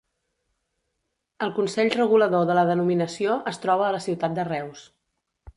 El consell regulador de la denominació es troba a la ciutat de Reus.